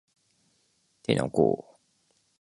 手の甲